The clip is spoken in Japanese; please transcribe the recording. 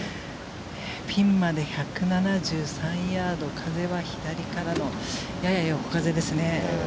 ピンまで１７３ヤード風は左からのやや横風ですね。